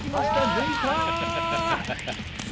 抜いた！